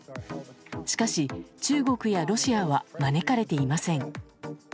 しかし中国やロシアは招かれていません。